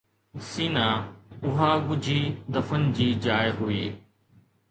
سينه، اها ڳجهي دفن جي جاءِ هئي